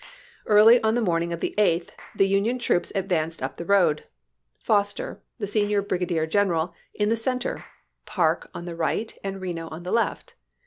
Early on the morning of the 8th the Union troops advanced up the road ; Fos ter, the senior brigadier general, in the center, Parke on the right, and Reno on the left.